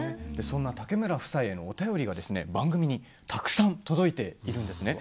そんな竹村夫妻へのお便りが番組にたくさん届いているんです。